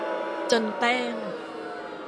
จนแต้ม